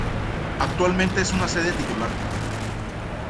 Actualmente es una sede titular.